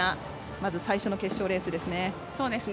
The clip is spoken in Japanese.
まず最初の決勝レースですね。